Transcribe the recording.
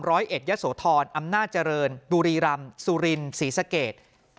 ร้อยเอ็ดยะโสธรอำนาจริงดุรีรำสุรินศรีสะเกด